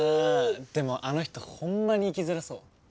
でもあの人ほんまに生きづらそう。